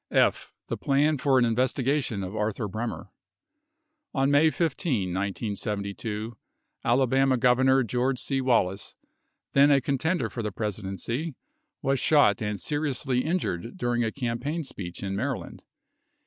69 F. The Plan for an Investigation of Arthur Bremer On May 15, 1972, Alabama Gov. George C. Wallace, then a contender for the Presidency, was shot and seriously injured during a campaign speech in Maryland.